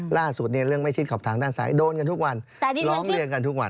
ล่าสุดเนี่ยเรื่องไม่ชิดขอบทางด้านซ้ายโดนกันทุกวันร้องเรียนกันทุกวัน